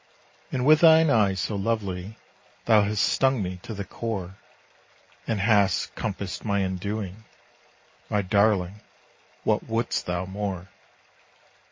And with thine eyes so lovely Thou hast stung me to the core, And hast compassed my undoing My darling, what wouldst thou more?